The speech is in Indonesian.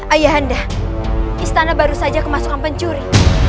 ayah anda istana baru saja kemasukan pencuri